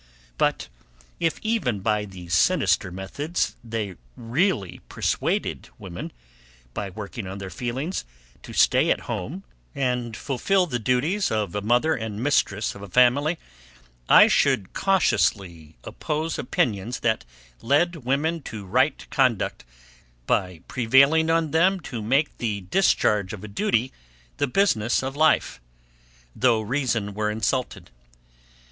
But, if even by these sinister methods they really PERSUADED women, by working on their feelings, to stay at home, and fulfil the duties of a mother and mistress of a family, I should cautiously oppose opinions that led women to right conduct, by prevailing on them to make the discharge of a duty the business of life, though reason were insulted.